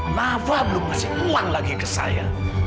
nafa belum kasih uang lagi ke saya